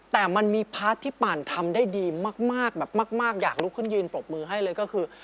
แต่มันมีพาร์ทที่ปั่นทำได้ดีมากแบบมากอยากลุกขึ้นยืนปรบมือให้เลยก็คือ